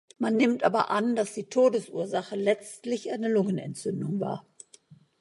Man nimmt aber an, dass die Todesursache letztlich eine Lungenentzündung war.